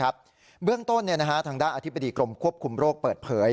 เบื้องต้นทางด้านอธิบดีกรมควบคุมโรคเปิดเผย